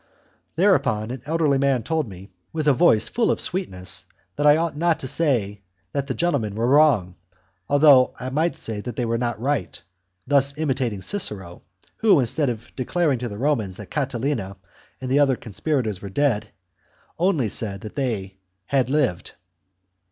Thereupon an elderly man told me, with a voice full of sweetness, that I ought not to say that the gentlemen were wrong, though I might say that they were not right, thus imitating Cicero, who, instead of declaring to the Romans that Catilina and the other conspirators were dead, only said that they had lived.